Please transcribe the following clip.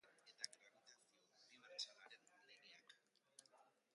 Larunbatean jokatutako partidetan euria izan zen protagonista nagusia.